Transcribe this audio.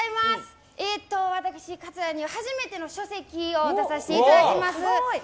私、桂二葉、初めての書籍出させていただきます。